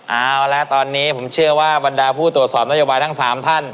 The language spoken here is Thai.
เอาละตอนนี้ผมเชื่อว่าบรรดาผู้ตรวจสอบนโยบายทั้ง๓ท่าน